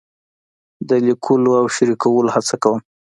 د لیکلو او شریکولو هڅه کوم.